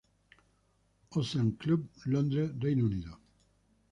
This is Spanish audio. Ocean Club, Londres, Reino Unido.